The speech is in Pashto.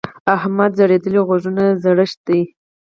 احمد وويل: ځړېدلي غوږونه زړښت دی.